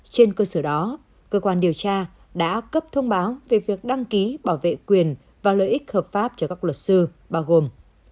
trên cơ sở đó cơ quan điều tra đã cấp thông báo về việc đăng ký bảo vệ quyền và lợi ích hợp pháp cho các luật sư bao gồm